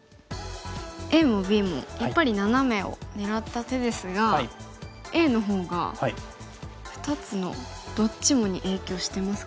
ＡもＢもやっぱりナナメを狙った手ですがＡのほうが２つのどっちもに影響してますか？